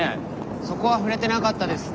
そこは触れてなかったです。